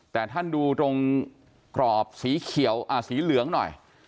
แต่ท่านดูตรงกรอบสีเขียวสีเหลืองหน่อย